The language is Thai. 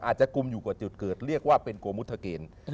กุมอยู่กับจุดเกิดเรียกว่าเป็นโกมุทธเกณฑ์